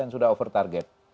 sudah over target